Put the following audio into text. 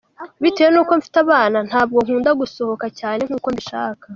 Bitewe n’uko mfite abana, ntabwo nkunda gusohoka cyane nk’uko mbishaka.